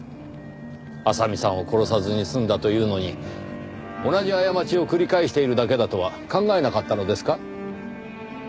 麻美さんを殺さずに済んだというのに同じ過ちを繰り返しているだけだとは考えなかったのですか？